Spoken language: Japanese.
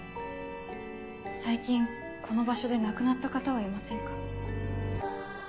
最近この場所で亡くなった方はいませんか？